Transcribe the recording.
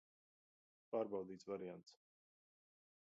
Pārbaudīts variants.